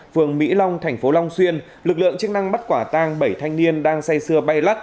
phường mỹ long thành phố long xuyên lực lượng chức năng bắt quả tang bảy thanh niên đang say sưa bay lắc